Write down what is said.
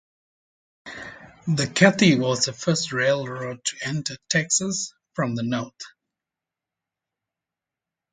The Katy was the first railroad to enter Texas from the north.